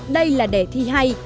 đây là đề thi hay